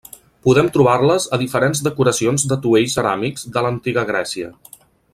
Podem trobar-les a diferents decoracions d'atuells ceràmics de l'Antiga Grècia.